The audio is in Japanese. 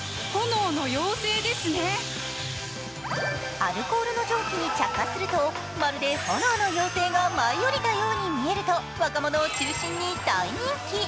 アルコールの蒸気に着火するとまるで炎の妖精が舞い降りたように見えると若者を中心に大人気。